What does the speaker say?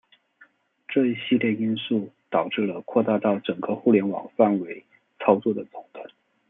这一系列因素导致了扩大到整个互联网范围操作的中断。